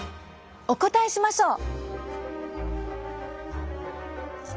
お答えしましょう。